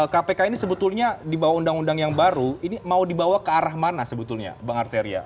kpk ini sebetulnya dibawa undang undang yang baru ini mau dibawa ke arah mana sebetulnya bang arteria